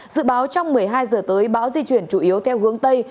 dự báo trong một mươi hai giờ tới bão di chuyển chủ yếu theo hướng tây